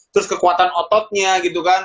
terus kekuatan ototnya gitu kan